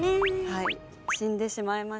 はい死んでしまいました。